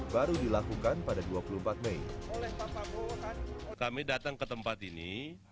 baru dilakukan pada dua puluh empat mei